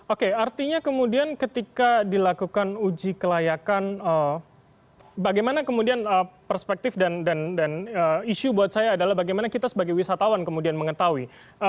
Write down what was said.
oke artinya kemudian ketika dilakukan uji kelayakan bagaimana kemudian perspektif dan isu buat saya adalah bagaimana kita sebagai wisatawan kemudian mengetahui